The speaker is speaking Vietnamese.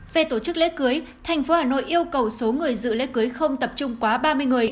về tổ chức lễ cưới thành phố hà nội yêu cầu số người dự lễ cưới không tập trung quá ba mươi người